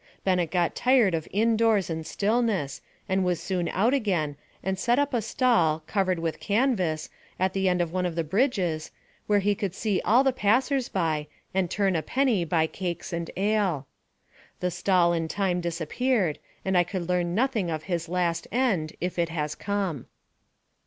Bennett got tired of in doors and stillness, and was soon out again, and set up a stall, covered with canvas, at the end of one of the bridges, where he could see all the passers by, and turn a penny by cakes and ale. The stall in time disappeared, and I could learn nothing of his last end, if it has come.